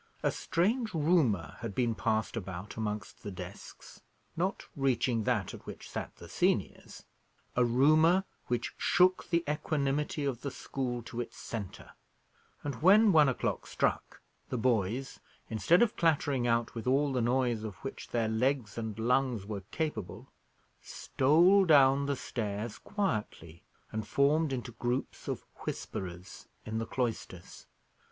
A strange rumour had been passed about amongst the desks not reaching that at which sat the seniors a rumour which shook the equanimity of the school to its centre; and, when one o'clock struck, the boys, instead of clattering out with all the noise of which their legs and lungs were capable, stole down the stairs quietly, and formed into groups of whisperers in the cloisters.